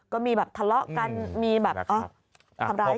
ก็มีแบบทะเลาะกันมีแบบทำร้ายกัน